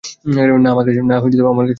না, আমার কাছে নগদ আছে।